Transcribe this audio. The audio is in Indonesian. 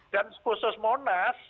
dan khusus monas